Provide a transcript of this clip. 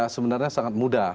sebenarnya sangat mudah